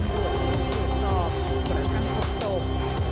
จรวดตอบกระทั่งพกศพ